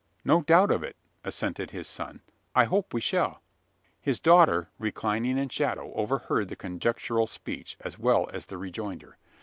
"No doubt of it," assented his son. "I hope we shall." His daughter, reclining in shadow, overheard the conjectural speech, as well as the rejoinder.